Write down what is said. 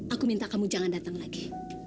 aku minta kamu jangan datang lagi